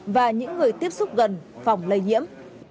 và những người tiếp xúc gần phòng lây nhiễm